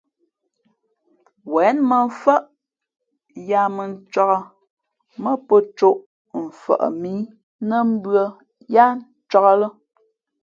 Wěn mᾱmfάʼ yāā mᾱ ncāk mά pō cōʼ mfαʼ mǐ nά mbʉ̄ᾱ yáá ncāk lά.